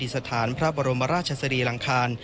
ที่สถานทราพรมราชสรีหลังคาร